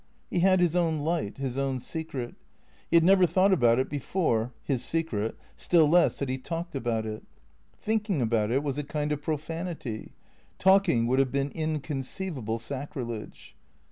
He had his own light, his own secret. He had never thought about it before (his secret), still less had he talked about it. Thinking about it was a kind of profanity; talking would have been inconceivable sacrilege.